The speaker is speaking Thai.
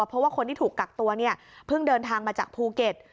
เพราะว่าคนที่ถูกกักตัวเนี่ยเพิ่งเดินทางมาจากภูเก็ต